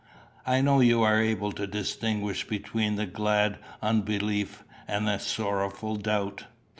I know you are able to distinguish between a glad unbelief and a sorrowful doubt."